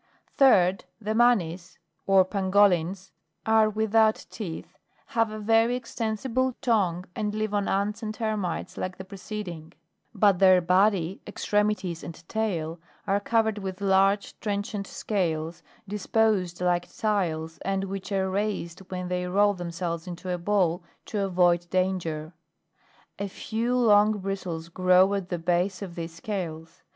3d. The MANIS, or PANGOLINS, (I'lale 4, //V. 4) are without teeth, have a very extensible tongue, and Jive on ants and termites like the preceding; but their body, extremities and tail, are covered with large trenchant scales, disposed like tiles, and which are raised when they roll themselves into a ball to avoid danger ; a few long bristles grow at the base of these scales.